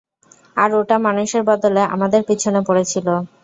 আর ওটা মানুষের বদলে আমাদের পিছনে পড়েছিল।